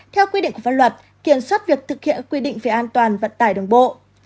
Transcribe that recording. theo quy định của pháp luật kiểm soát việc thực hiện quy định về an toàn vận tải đường bộ